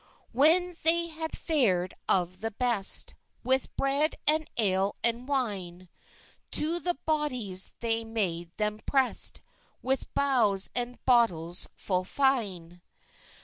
Whan they had fared of the best, With bred and ale and weyne, To the bottys they made them prest, With bowes and boltys full feyne.